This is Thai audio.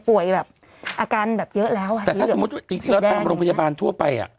แบบอาการแบบเยอะแล้วอ่ะแต่ถ้าสมมุติจริงจริงแล้วตามโรงพยาบาลทั่วไปอ่ะ